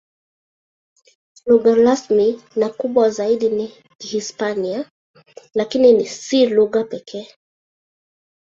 Lugha rasmi na kubwa zaidi ni Kihispania, lakini si lugha pekee.